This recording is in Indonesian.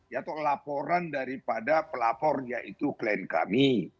ya tuh laporan daripada pelapor yaitu klien kami